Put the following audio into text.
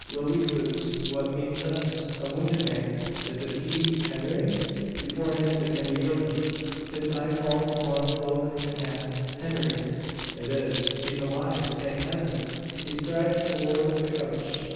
"Louises what means this? A wounded man! Is it he Henry?" Before an answer can be given, his eye falls upon a cloak and hat Henry's! "It is; he's alive! Thank heaven!" He strides towards the couch.